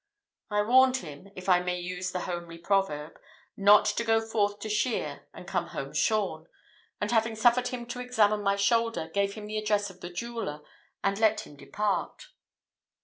I warned him, if I may use the homely proverb, not to go forth to shear and come home shorn; and having suffered him to examine my shoulder, gave him the address of the jeweller, and let him depart.